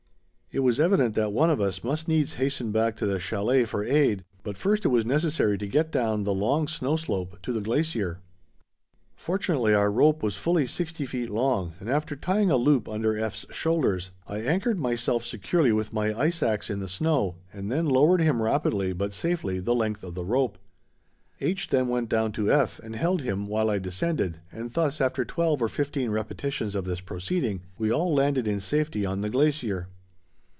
It was evident that one of us must needs hasten back to the chalet for aid, but first it was necessary to get down the long snow slope to the glacier. Fortunately our rope was fully sixty feet long and after tying a loop under F.'s shoulders, I anchored myself securely with my ice axe in the snow, and then lowered him rapidly but safely the length of the rope. H. then went down to F. and held him while I descended, and thus after twelve or fifteen repetitions of this proceeding we all landed in safety on the glacier.